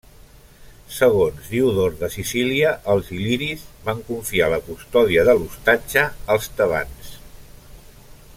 Segons Diodor de Sicília els il·liris van confiar la custòdia de l'ostatge als tebans.